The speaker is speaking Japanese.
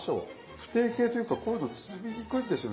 不定形というかこういうの包みにくいんですよね。